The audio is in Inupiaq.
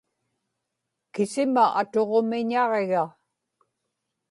kisima atuġumiñaġiga